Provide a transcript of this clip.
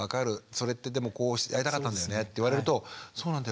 それってでもこうやりたかったんですねって言われるとそうなんだよ